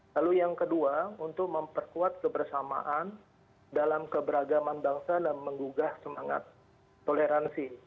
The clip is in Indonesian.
lalu yang kedua untuk memperkuat kebersamaan dalam keberagaman bangsa dan menggugah semangat toleransi